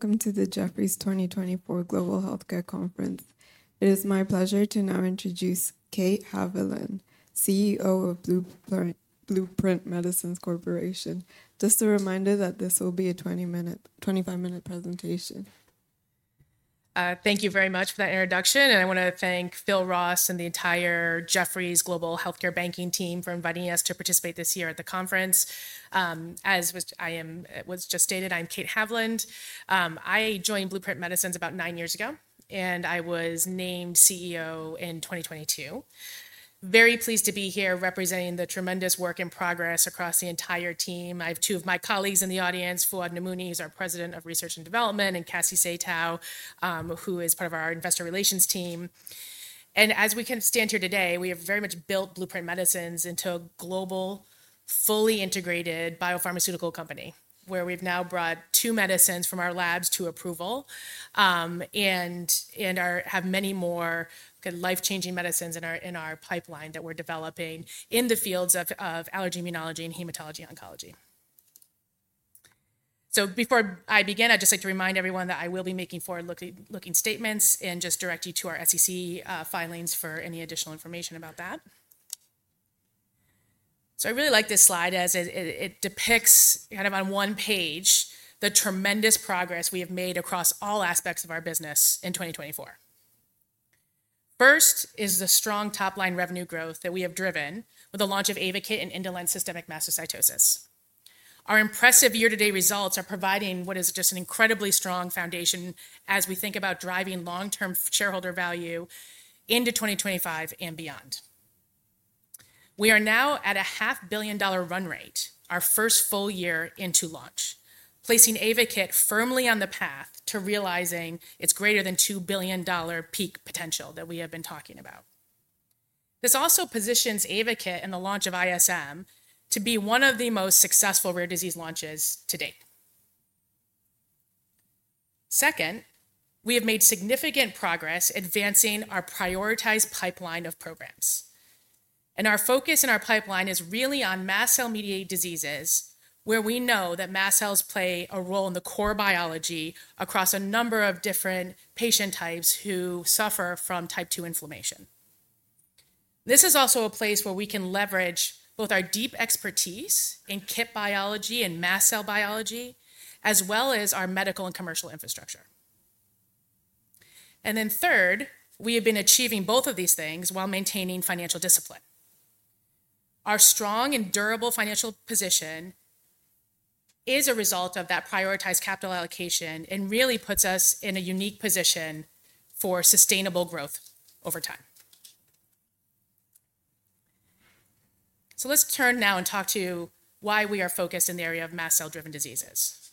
Good noon and welcome to the Jefferies 2024 Global Healthcare Conference. It is my pleasure to now introduce Kate Haviland, CEO of Blueprint Medicines Corporation. Just a reminder that this will be a 25-minute presentation. Thank you very much for that introduction, and I want to thank Phil Ross and the entire Jefferies Global Healthcare Banking team for inviting us to participate this year at the conference. As I was just stated, I'm Kate Haviland. I joined Blueprint Medicines about nine years ago, and I was named CEO in 2022. Very pleased to be here representing the tremendous work in progress across the entire team. I have two of my colleagues in the audience, Fouad Namouni, our President of Research and Development, and Cassie Saitow, who is part of our Investor Relations team. And as we can stand here today. We have very much built Blueprint Medicines into a global, fully integrated biopharmaceutical company where we've now brought two medicines from our labs to approval and have many more life-changing medicines in our pipeline that we're developing in the fields of allergy, immunology, and hematology-oncology. So, before I begin, I'd just like to remind everyone that I will be making forward-looking statements and just direct you to our SEC filings for any additional information about that. So, I really like this slide as it depicts kind of on one page the tremendous progress we have made across all aspects of our business in 2024. First is the strong top-line revenue growth that we have driven with the launch of AYVAKIT and Indolent Systemic Mastocytosis. Our impressive year-to-date results are providing what is just an incredibly strong foundation as we think about driving long-term shareholder value into 2025 and beyond. We are now at a $500 million run rate, our first full year into launch, placing AYVAKIT firmly on the path to realizing its greater than $2 billion peak potential that we have been talking about. This also positions AYVAKIT and the launch of ISM to be one of the most successful rare disease launches to date. Second, we have made significant progress advancing our prioritized pipeline of programs. And our focus in our pipeline is really on mast cell-mediated diseases where we know that mast cells play a role in the core biology across a number of different patient types who suffer from type 2 inflammation. This is also a place where we can leverage both our deep expertise in KIT biology and mast cell biology, as well as our medical and commercial infrastructure. And then third, we have been achieving both of these things while maintaining financial discipline. Our strong and durable financial position is a result of that prioritized capital allocation and really puts us in a unique position for sustainable growth over time. So, let's turn now and talk to why we are focused in the area of mast cell-driven diseases.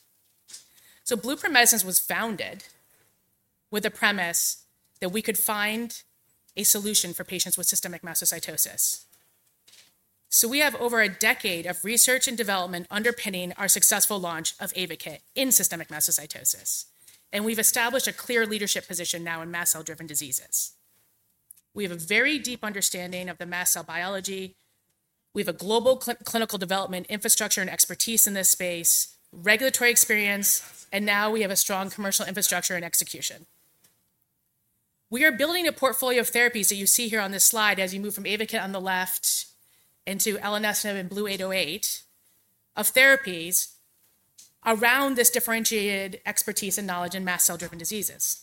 So, Blueprint Medicines was founded with a premise that we could find a solution for patients with systemic mastocytosis. So we have over a decade of research and development underpinning our successful launch of AYVAKIT in systemic mastocytosis. And we've established a clear leadership position now in mast cell-driven diseases. We have a very deep understanding of the mast cell biology. We have a global clinical development infrastructure and expertise in this space, regulatory experience, and now we have a strong commercial infrastructure and execution. We are building a portfolio of therapies that you see here on this slide as you move from AYVAKIT on the left into Elenestinib and BLU-808 of therapies around this differentiated expertise and knowledge in mast cell-driven diseases.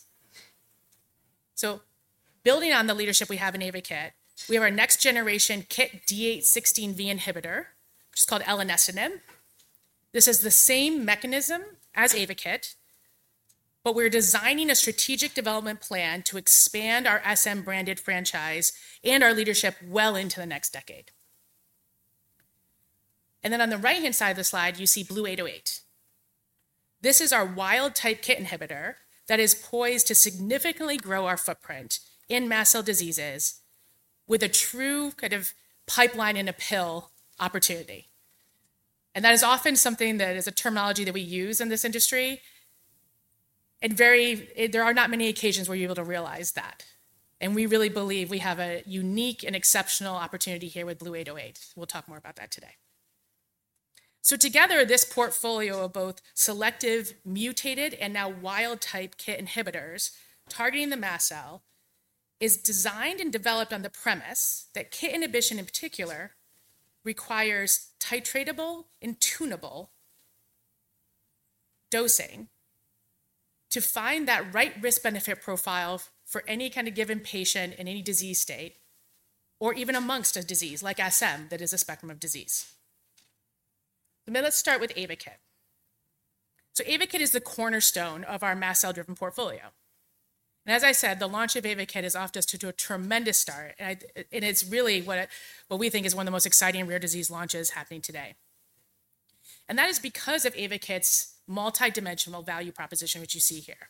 Building on the leadership we have in AYVAKIT, we have our next-generation KIT D816V inhibitor, which is called elenestinib. This is the same mechanism as AYVAKIT, but we're designing a strategic development plan to expand our SM-branded franchise and our leadership well into the next decade. And then on the right-hand side of the slide, you see BLU-808. This is our wild-type KIT inhibitor that is poised to significantly grow our footprint in mast cell diseases with a true kind of pipeline-in-a-pill opportunity. And that is often something that is a terminology that we use in this industry. And there are not many occasions where you're able to realize that. And we really believe we have a unique and exceptional opportunity here with BLU-808. We'll talk more about that today. Together, this portfolio of both selective mutated and now wild-type KIT inhibitors targeting the mast cell is designed and developed on the premise that KIT inhibition in particular requires titratable and tunable dosing to find that right risk-benefit profile for any kind of given patient in any disease state or even amongst a disease like SM that is a spectrum of disease. Let's start with AYVAKIT. AYVAKIT is the cornerstone of our mast cell-driven portfolio. And as I said, the launch of AYVAKIT is off just to a tremendous start. And it's really what we think is one of the most exciting, rare disease launches happening today. And that is because of AYVAKIT's multidimensional value proposition, which you see here.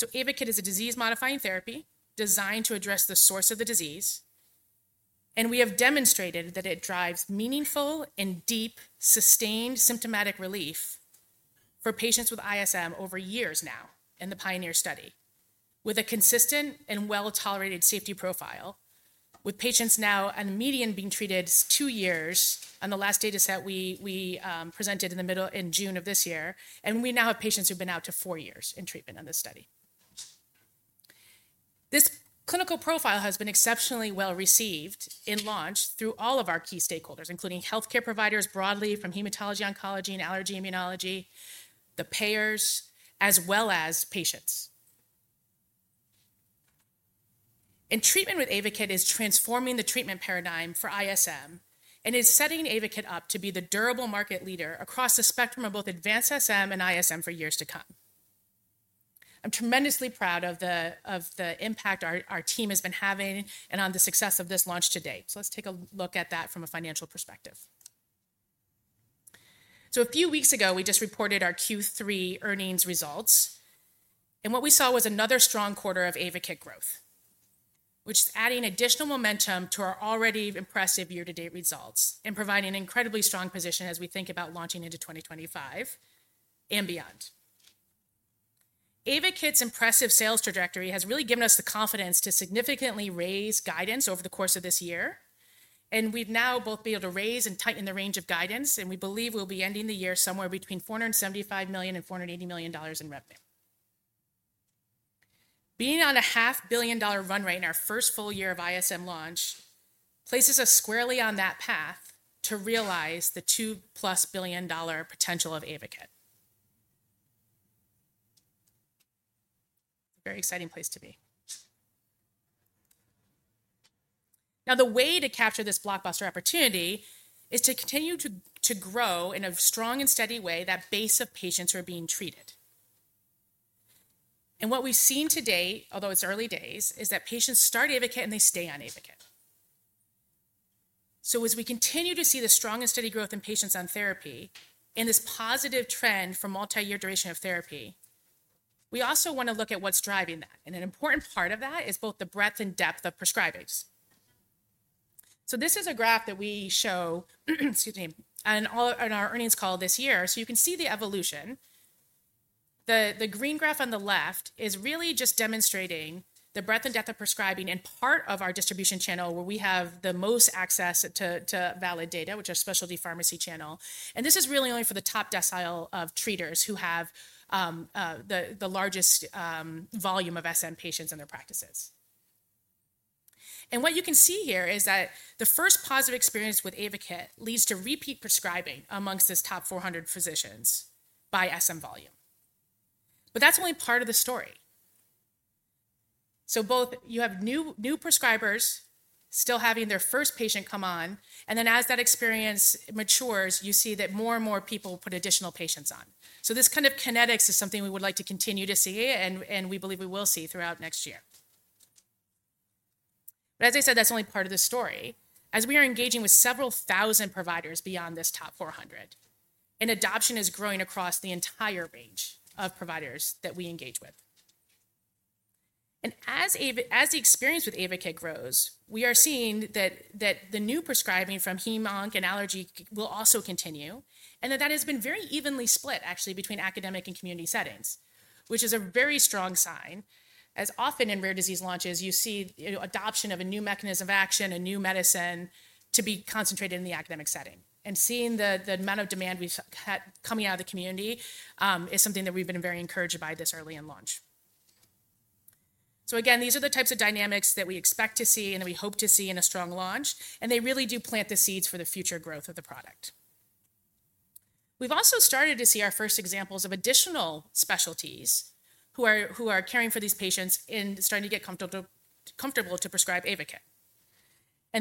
AYVAKIT is a disease-modifying therapy designed to address the source of the disease. We have demonstrated that it drives meaningful and deep sustained symptomatic relief for patients with ISM over years now in the PIONEER study with a consistent and well-tolerated safety profile with patients now on a median being treated two years on the last data set we presented in the middle in June of this year. We now have patients who've been out to four years in treatment on this study. This clinical profile has been exceptionally well received and launched through all of our key stakeholders, including healthcare providers broadly from hematology-oncology and allergy immunology, the payers, as well as patients. Treatment with AYVAKIT is transforming the treatment paradigm for ISM and is setting AYVAKIT up to be the durable market leader across the spectrum of both advanced SM and ISM for years to come. I'm tremendously proud of the impact our team has been having and on the success of this launch today. So, let's take a look at that from a financial perspective. So, a few weeks ago, we just reported our Q3 earnings results. And what we saw was another strong quarter of AYVAKIT growth, which is adding additional momentum to our already impressive year-to-date results and providing an incredibly strong position as we think about launching into 2025 and beyond. AYVAKIT's impressive sales trajectory has really given us the confidence to significantly raise guidance over the course of this year. And we've now both been able to raise and tighten the range of guidance. And we believe we'll be ending the year somewhere between $475 million and $480 million in revenue. Being on a $500 million run rate in our first full year of ISM launch places us squarely on that path to realize the $2+ billion potential of AYVAKIT. Very exciting place to be. Now, the way to capture this blockbuster opportunity is to continue to grow in a strong and steady way that base of patients who are being treated. And what we've seen to date, although it's early days, is that patients start AYVAKIT and they stay on AYVAKIT. So, as we continue to see the strong and steady growth in patients on therapy and this positive trend for multi-year duration of therapy, we also want to look at what's driving that. And an important part of that is both the breadth and depth of prescribers. So this is a graph that we show on our earnings call this year. So you can see the evolution. The green graph on the left is really just demonstrating the breadth and depth of prescribing and part of our distribution channel where we have the most access to valid data, which is a specialty pharmacy channel, and this is really only for the top decile of treaters who have the largest volume of SM patients in their practices. And what you can see here is that the first positive experience with AYVAKIT leads to repeat prescribing amongst this top 400 physicians by SM volume. But that's only part of the story, so both you have new prescribers still having their first patient come on, and then as that experience matures, you see that more and more people put additional patients on, so this kind of kinetics is something we would like to continue to see and we believe we will see throughout next year. But as I said, that's only part of the story. As we are engaging with several thousand providers beyond this top 400, adoption is growing across the entire range of providers that we engage with. And as the experience with AYVAKIT grows, we are seeing that the new prescribing from hematology and allergy will also continue, and that that has been very evenly split, actually, between academic and community settings, which is a very strong sign. As often in rare disease launches, you see adoption of a new mechanism of action, a new medicine to be concentrated in the academic setting. And seeing the amount of demand coming out of the community is something that we've been very encouraged by this early in launch. So again, these are the types of dynamics that we expect to see and that we hope to see in a strong launch. They really do plant the seeds for the future growth of the product. We've also started to see our first examples of additional specialties who are caring for these patients and starting to get comfortable to prescribe AYVAKIT.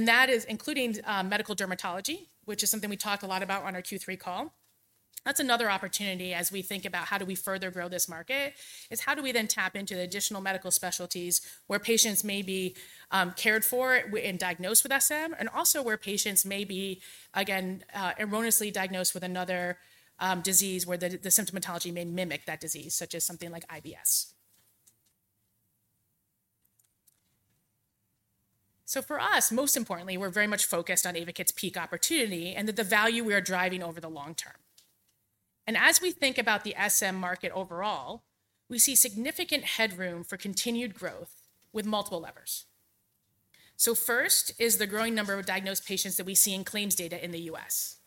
That is including medical dermatology, which is something we talked a lot about on our Q3 call. That's another opportunity as we think about how do we further grow this market is how do we then tap into the additional medical specialties where patients may be cared for and diagnosed with SM and also where patients may be, again, erroneously diagnosed with another disease where the symptomatology may mimic that disease, such as something like IBS. For us, most importantly, we're very much focused on AYVAKIT's peak opportunity and the value we are driving over the long term. As we think about the SM market overall, we see significant headroom for continued growth with multiple levers. First is the growing number of diagnosed patients that we see in claims data in the U.S.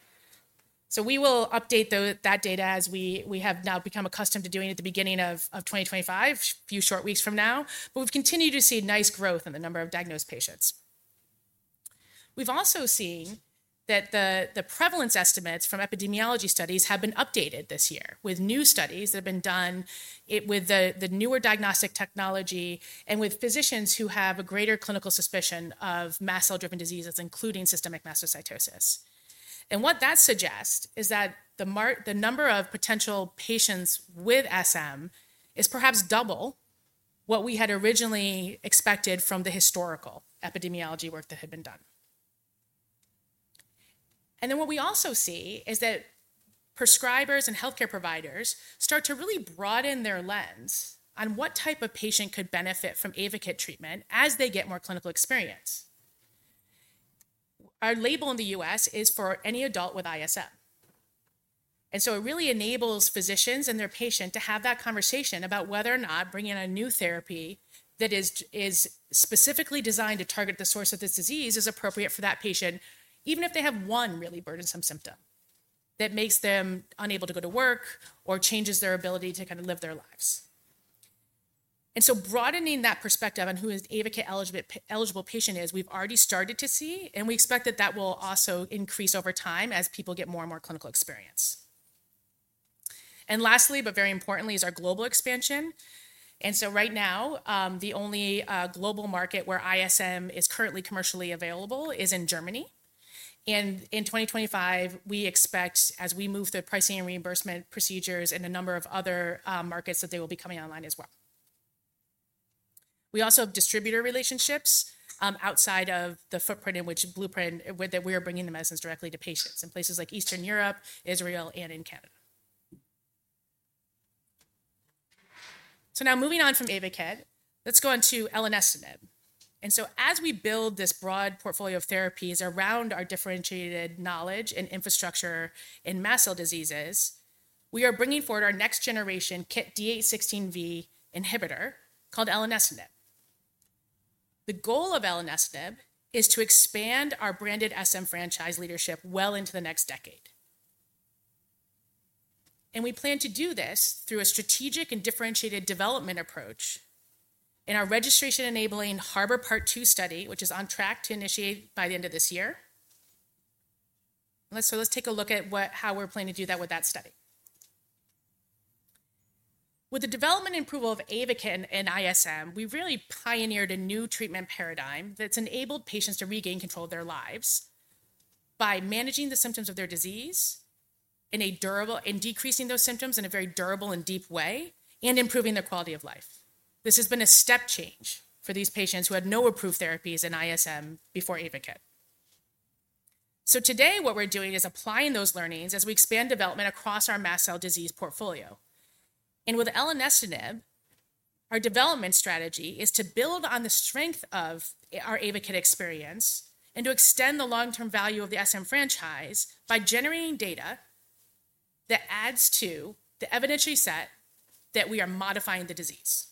We will update that data as we have now become accustomed to doing at the beginning of 2025, a few short weeks from now. We've continued to see nice growth in the number of diagnosed patients. We've also seen that the prevalence estimates from epidemiology studies have been updated this year with new studies that have been done with the newer diagnostic technology and with physicians who have a greater clinical suspicion of mast cell-driven diseases, including systemic mastocytosis. What that suggests is that the number of potential patients with SM is perhaps double what we had originally expected from the historical epidemiology work that had been done. And then what we also see is that prescribers and healthcare providers start to really broaden their lens on what type of patient could benefit from AYVAKIT treatment as they get more clinical experience. Our label in the U.S. is for any adult with ISM. And so it really enables physicians and their patient to have that conversation about whether or not bringing in a new therapy that is specifically designed to target the source of this disease is appropriate for that patient, even if they have one really burdensome symptom that makes them unable to go to work or changes their ability to kind of live their lives. And so, broadening that perspective on who an AYVAKIT-eligible patient is, we've already started to see, and we expect that that will also increase over time as people get more and more clinical experience. Lastly, but very importantly, is our global expansion. Right now, the only global market where ISM is currently commercially available is in Germany. In 2025, we expect, as we move through pricing and reimbursement procedures and a number of other markets, that they will be coming online as well. We also have distributor relationships outside of the footprint in which Blueprint, where we are bringing the medicines directly to patients in places like Eastern Europe, Israel, and in Canada. Now moving on from AYVAKIT, let's go on to elenestinib. As we build this broad portfolio of therapies around our differentiated knowledge and infrastructure in mast cell diseases, we are bringing forward our next-generation KIT-D816V inhibitor called elenestinib. The goal of elenestinib is to expand our branded SM franchise leadership well into the next decade. We plan to do this through a strategic and differentiated development approach in our registration-enabling HARBOR Part 2 study, which is on track to initiate by the end of this year. Let's take a look at how we're planning to do that with that study. With the development and approval of AYVAKIT in ISM, we really pioneered a new treatment paradigm that's enabled patients to regain control of their lives by managing the symptoms of their disease and decreasing those symptoms in a very durable and deep way and improving their quality of life. This has been a step change for these patients who had no approved therapies in ISM before AYVAKIT. Today, what we're doing is applying those learnings as we expand development across our mast cell disease portfolio. And with elenestinib, our development strategy is to build on the strength of our AYVAKIT experience and to extend the long-term value of the SM franchise by generating data that adds to the evidentiary set that we are modifying the disease.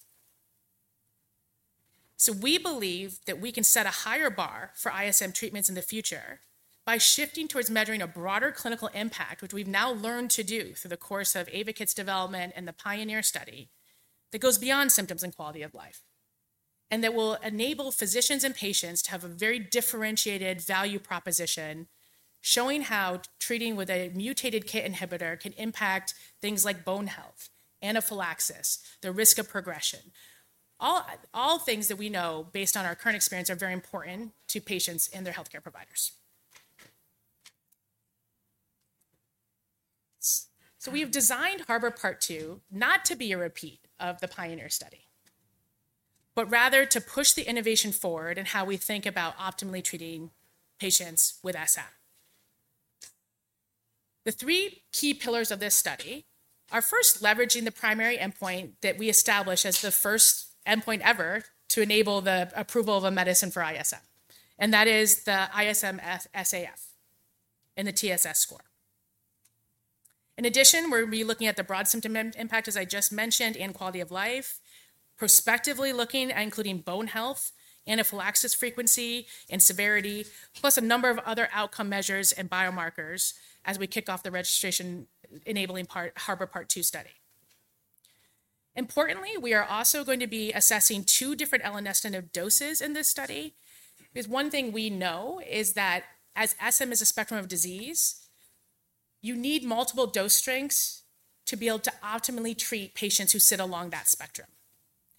So we believe that we can set a higher bar for ISM treatments in the future by shifting towards measuring a broader clinical impact, which we've now learned to do through the course of AYVAKIT's development and the pioneer study that goes beyond symptoms and quality of life and that will enable physicians and patients to have a very differentiated value proposition showing how treating with a mutated KIT inhibitor can impact things like bone health, anaphylaxis, the risk of progression. All things that we know based on our current experience are very important to patients and their healthcare providers. So, we have designed HARBOR Part 2 not to be a repeat of the PIONEER study, but rather to push the innovation forward in how we think about optimally treating patients with SM. The three key pillars of this study are first leveraging the primary endpoint that we established as the first endpoint ever to enable the approval of a medicine for ISM, and that is the ISM-SAF and the TSS score. In addition, we're looking at the broad symptom impact, as I just mentioned, and quality of life, prospectively looking at including bone health, anaphylaxis frequency and severity, plus a number of other outcome measures and biomarkers as we kick off the registration-enabling HARBOR Part 2 study. Importantly, we are also going to be assessing two different elenestinib doses in this study. There's one thing we know is that as SM is a spectrum of disease, you need multiple dose strengths to be able to optimally treat patients who sit along that spectrum.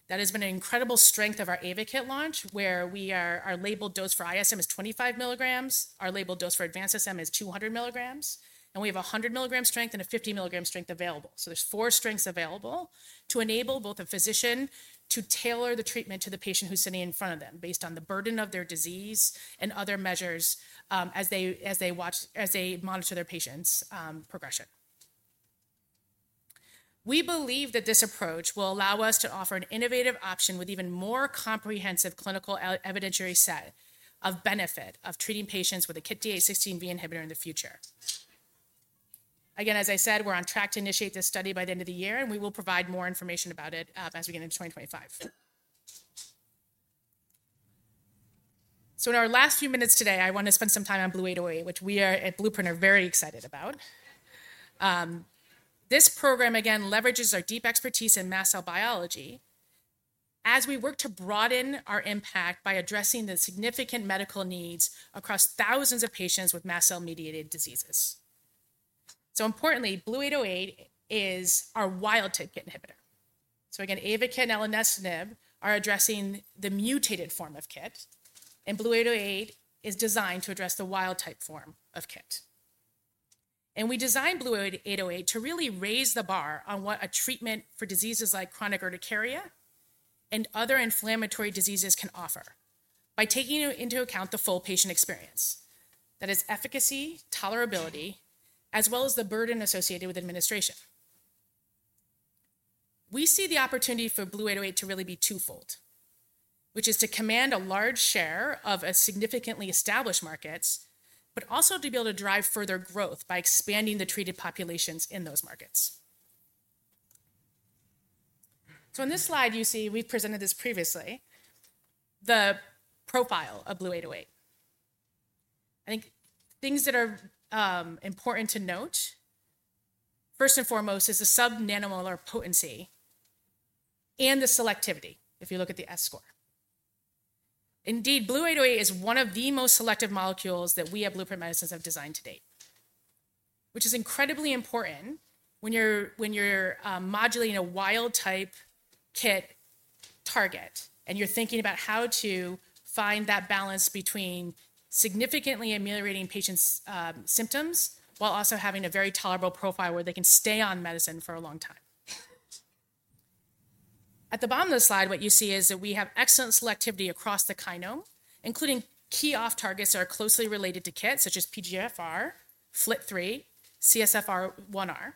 That has been an incredible strength of our AYVAKIT launch, where our labeled dose for ISM is 25 mg. Our labeled dose for advanced SM is 200 mg, and we have a 100 mg strength and a 50 mg strength available. So there's four strengths available to enable both a physician to tailor the treatment to the patient who's sitting in front of them based on the burden of their disease and other measures as they monitor their patient's progression. We believe that this approach will allow us to offer an innovative option with even more comprehensive clinical evidentiary set of benefit of treating patients with a KIT D816V inhibitor in the future. Again, as I said, we're on track to initiate this study by the end of the year, and we will provide more information about it as we get into 2025. So, in our last few minutes today, I want to spend some time on BLU-808, which we at Blueprint are very excited about. This program, again, leverages our deep expertise in mast cell biology as we work to broaden our impact by addressing the significant medical needs across thousands of patients with mast cell-mediated diseases. So importantly, BLU-808 is our wild-type KIT inhibitor. So again, AYVAKIT and elenestinib are addressing the mutated form of KIT, and BLU-808 is designed to address the wild-type form of KIT. We designed BLU-808 to really raise the bar on what a treatment for diseases like chronic urticaria and other inflammatory diseases can offer by taking into account the full patient experience, that is, efficacy, tolerability, as well as the burden associated with administration. We see the opportunity for BLU-808 to really be twofold, which is to command a large share of significantly established markets, but also to be able to drive further growth by expanding the treated populations in those markets. On this slide, you see we've presented this previously, the profile of BLU-808. I think things that are important to note, first and foremost, is the sub-nanomolar potency and the selectivity if you look at the S-score. Indeed, BLU-808 is one of the most selective molecules that we at Blueprint Medicines have designed to date, which is incredibly important when you're modulating a wild-type KIT target and you're thinking about how to find that balance between significantly ameliorating patients' symptoms while also having a very tolerable profile where they can stay on medicine for a long time. At the bottom of the slide, what you see is that we have excellent selectivity across the kinome, including key off-targets that are closely related to KIT, such as PDGFR, FLT3, CSF1R.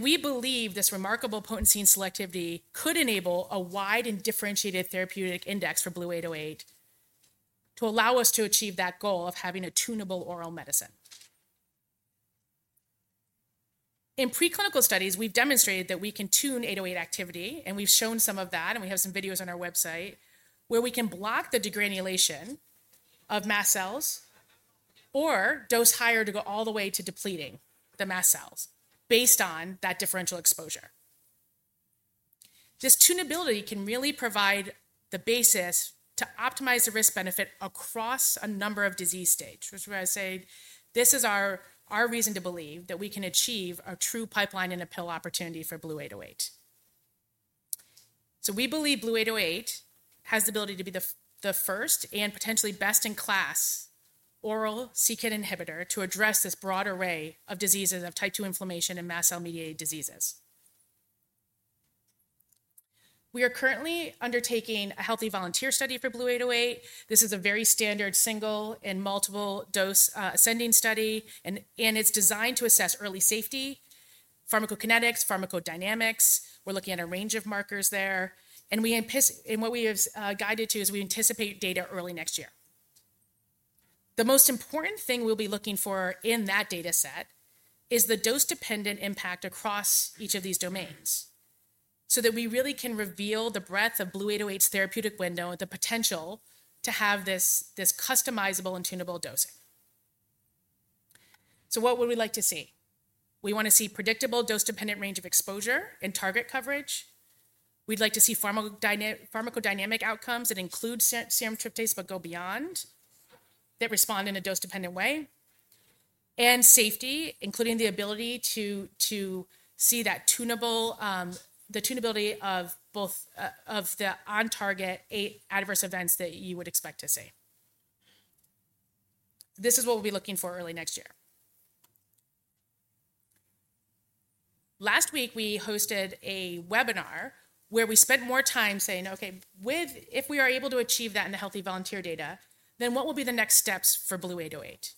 We believe this remarkable potency and selectivity could enable a wide and differentiated therapeutic index for BLU-808 to allow us to achieve that goal of having a tunable oral medicine. In preclinical studies, we've demonstrated that we can tune BLU-808 activity, and we've shown some of that, and we have some videos on our website where we can block the degranulation of mast cells or dose higher to go all the way to depleting the mast cells based on that differential exposure. This tunability can really provide the basis to optimize the risk-benefit across a number of disease stages, which I say this is our reason to believe that we can achieve a true pipeline-in-a-pill opportunity for BLU-808. So, we believe BLU-808 has the ability to be the first and potentially best-in-class oral KIT inhibitor to address this broad array of diseases of type 2 inflammation and mast cell-mediated diseases. We are currently undertaking a healthy volunteer study for BLU-808. This is a very standard single and multiple dose ascending study, and it's designed to assess early safety, pharmacokinetics, pharmacodynamics. We're looking at a range of markers there, and what we have guided to is we anticipate data early next year. The most important thing we'll be looking for in that data set is the dose-dependent impact across each of these domains so that we really can reveal the breadth of BLU-808's therapeutic window and the potential to have this customizable and tunable dosing. So, what would we like to see? We want to see predictable dose-dependent range of exposure and target coverage. We'd like to see pharmacodynamic outcomes that include serum tryptase but go beyond that respond in a dose-dependent way, and safety, including the ability to see the tunability of both of the on-target adverse events that you would expect to see. This is what we'll be looking for early next year. Last week, we hosted a webinar where we spent more time saying, "okay, if we are able to achieve that in the healthy volunteer data, then what will be the next steps for BLU-808?"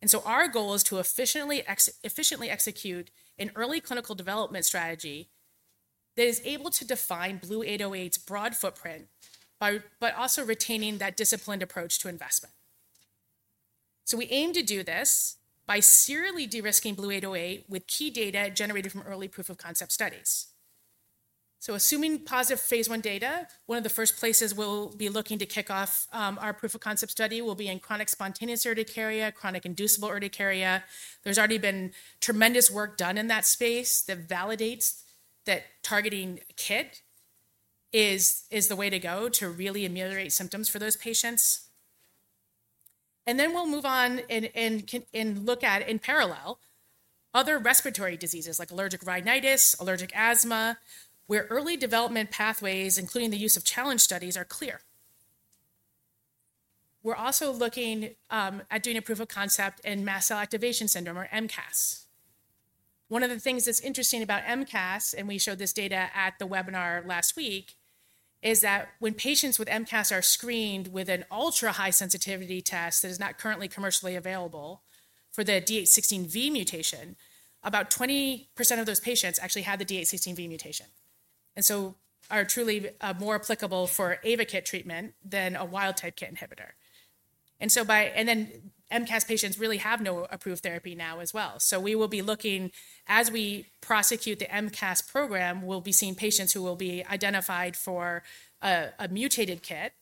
And so, our goal is to efficiently execute an early clinical development strategy that is able to define BLU-808's broad footprint, but also retaining that disciplined approach to investment. So, we aim to do this by serially de-risking BLU-808 with key data generated from early proof of concept studies. So, assuming positive phase I data, one of the first places we'll be looking to kick off our proof-of-concept study will be in chronic spontaneous urticaria, chronic inducible urticaria. There's already been tremendous work done in that space that validates that targeting KIT is the way to go to really ameliorate symptoms for those patients. And then we'll move on and look at in parallel other respiratory diseases like allergic rhinitis, allergic asthma, where early development pathways, including the use of challenge studies, are clear. We're also looking at doing a proof of concept in mast cell activation syndrome or MCAS. One of the things that's interesting about MCAS, and we showed this data at the webinar last week, is that when patients with MCAS are screened with an ultra-high sensitivity test that is not currently commercially available for the D816V mutation, about 20% of those patients actually had the D816V mutation. And so are truly more applicable for AYVAKIT treatment than a wild-type KIT inhibitor. And then MCAS patients really have no approved therapy now as well. So, we will be looking as we prosecute the MCAS program. We'll be seeing patients who will be identified for a mutated KIT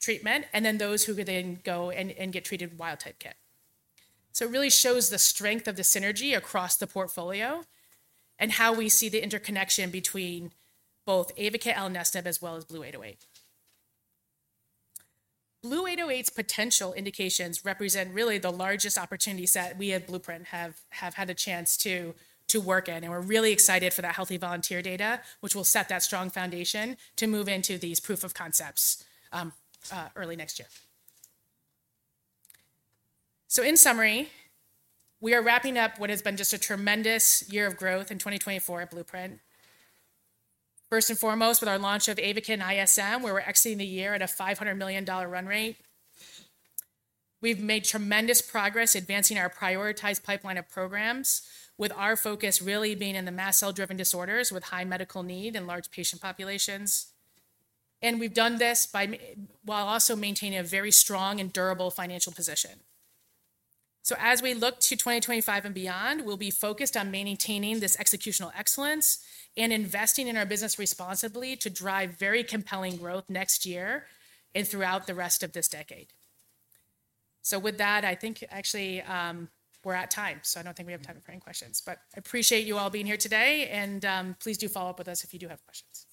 treatment, and then those who could then go and get treated with wild-type KIT. So, it really shows the strength of the synergy across the portfolio and how we see the interconnection between both AYVAKIT, elenestinib, as well as BLU-808. BLU-808's potential indications represent really the largest opportunity set we at Blueprint have had a chance to work in. And we're really excited for that healthy volunteer data, which will set that strong foundation to move into these proof of concepts early next year. So in summary, we are wrapping up what has been just a tremendous year of growth in 2024 at Blueprint. First and foremost, with our launch of AYVAKIT and ISM, where we're exiting the year at a $500 million run rate, we've made tremendous progress advancing our prioritized pipeline of programs, with our focus really being in the mast cell-driven disorders with high medical need and large patient populations. And we've done this while also maintaining a very strong and durable financial position. So, as we look to 2025 and beyond, we'll be focused on maintaining this executional excellence and investing in our business responsibly to drive very compelling growth next year and throughout the rest of this decade. So with that, I think actually we're at time. So I don't think we have time for any questions, but I appreciate you all being here today. And please do follow up with us if you do have questions.